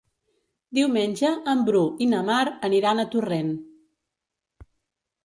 Diumenge en Bru i na Mar aniran a Torrent.